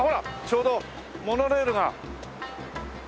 ちょうどモノレールが。